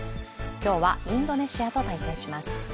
今日はインドネシアと対戦します。